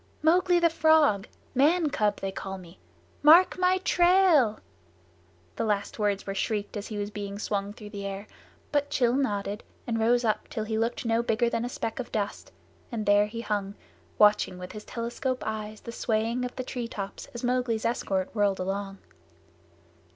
"Mowgli, the Frog. Man cub they call me! Mark my trail!" The last words were shrieked as he was being swung through the air, but Rann nodded and rose up till he looked no bigger than a speck of dust, and there he hung, watching with his telescope eyes the swaying of the treetops as Mowgli's escort whirled along.